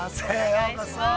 ◆ようこそ。